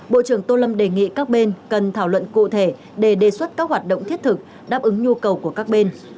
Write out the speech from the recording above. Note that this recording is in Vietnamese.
bộ trưởng tô lâm đề nghị các bên cần thảo luận cụ thể để đề xuất các hoạt động thiết thực đáp ứng nhu cầu của các bên